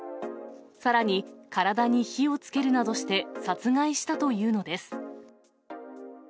さらに、体に火をつけるなどして、殺害したというのです。